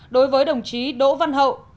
đối với đồng chí đỗ văn thu